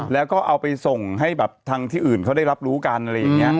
แล้วก็เอาไปส่งให้แบบทางที่อื่นเขาได้รับรู้กันอะไรอย่างนี้